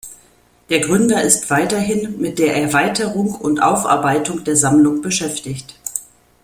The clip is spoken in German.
Der Gründer ist weiterhin mit der Erweiterung und Aufarbeitung der Sammlung beschäftigt.